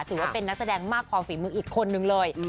ถือว่าเป็นนักแสดงมากพอฝีมืออีกคนนึงเลย